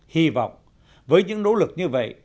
hy vọng với những nỗ lực như vậy